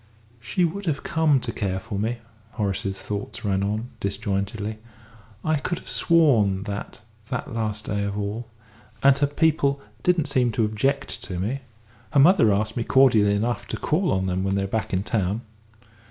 "She would have come to care for me," Horace's thoughts ran on, disjointedly. "I could have sworn that that last day of all and her people didn't seem to object to me. Her mother asked me cordially enough to call on them when they were back in town.